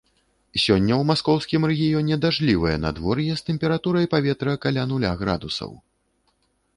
Сёння ў маскоўскім рэгіёне дажджлівае надвор'е з тэмпературай паветра каля нуля градусаў.